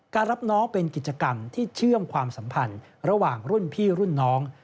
รับน้องเป็นกิจกรรมที่เชื่อมความสัมพันธ์ระหว่างรุ่นพี่รุ่นน้อง